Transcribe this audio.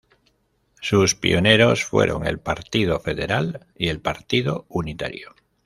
Sus pioneros fueron el Partido Federal y el Partido Unitario.